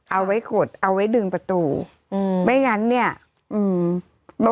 เอาไว้ขดเอาไว้ดึงประตูอืมไม่งั้นเนี้ยอืม